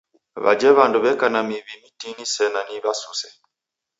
W'aja w'andu w'eka na miw'i mtini sena ni w'asuse.